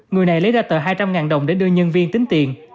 người này lấy ra tờ hai trăm linh đồng để đưa nhân viên tính tiền